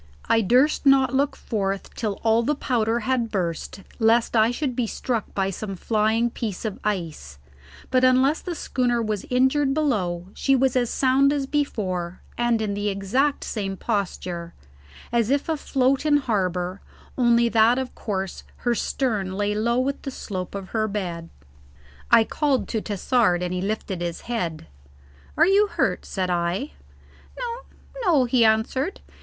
I durst not look forth till all the powder had burst, lest I should be struck by some flying piece of ice, but unless the schooner was injured below she was as sound as before, and in the exact same posture, as if afloat in harbour, only that of course her stern lay low with the slope of her bed. I called to Tassard and he lifted his head. "Are you hurt?" said I. "No, no," he answered.